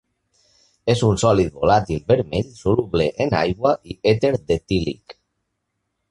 És un sòlid volàtil vermell soluble en aigua i èter d'etílic.